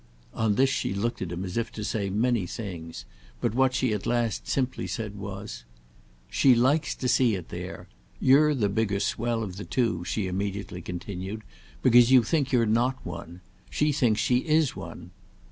On this she looked at him as to say many things, but what she at last simply said was: "She likes to see it there. You're the bigger swell of the two," she immediately continued, "because you think you're not one. She thinks she is one.